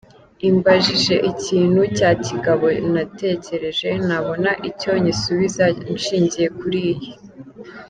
imbajije ikintu cya kigabo natekereje nabona icyo nyisubiza nshingiye kuri iyi.